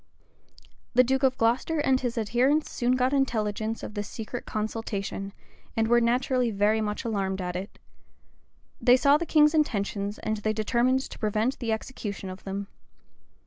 [*]* Cotton, p. 322. The duke of Glocester and his adherents soon got intelligence of this secret consultation, and were naturally very much alarmed at it. They saw the king's intentions; and they determined to prevent the execution of them.